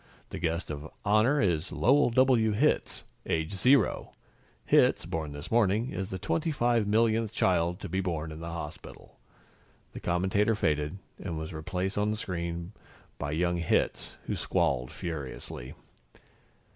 The guest of honor is Lowell W. Hitz, age zero. Hitz, born this morning, is the twenty five millionth child to be born in the hospital." The commentator faded, and was replaced on the screen by young Hitz, who squalled furiously.